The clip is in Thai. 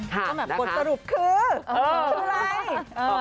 ก็แบบบทสรุปคือคืออะไร